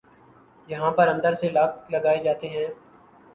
جہاں پر اندر سے لاک لگائے جاتے ہیں